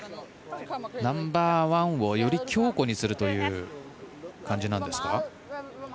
ナンバーワンをより強固にするという感じなんですか。